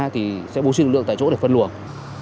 thì sẽ bố suy lượng tại chỗ để phân luồng